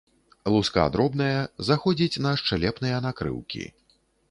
Луска дробная, заходзіць на шчэлепныя накрыўкі.